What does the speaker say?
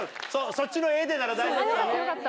そっちの「ええで」なら大丈夫だわ。